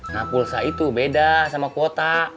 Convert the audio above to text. nah pulsa itu beda sama kuota